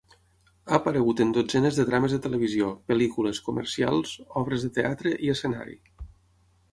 Ha aparegut en dotzenes de drames de televisió, pel·lícules, comercials, obres de teatre i escenari.